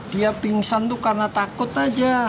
dia pingsan itu karena takut aja